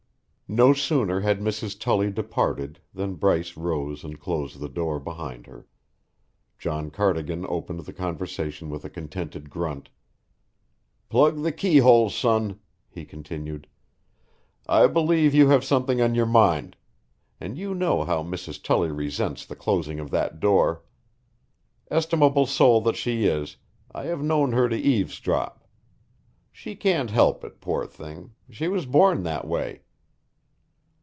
No sooner had Mrs. Tully departed than Bryce rose and closed the door behind her. John Cardigan opened the conversation with a contented grunt: "Plug the keyhole, son," he continued. "I believe you have something on your mind and you know how Mrs. Tully resents the closing of that door. Estimable soul that she is, I have known her to eavesdrop. She can't help it, poor thing! She was born that way."